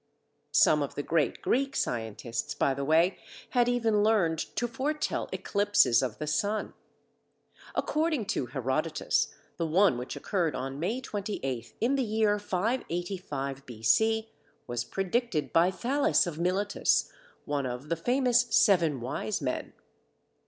Some of the great Greek scientists, by the way, had even learned to foretell eclipses of the sun. According to Herodotus the one which occurred on May 28th, in the year 585 B. C., was predicted by Thales of Miletus, one of the famous "Seven Wise Men."